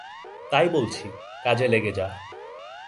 তাই বলছি, কাজে লেগে যা।